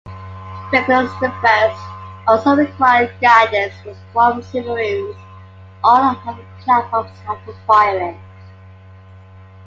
Regulus I also required guidance from submarines or other platforms after firing.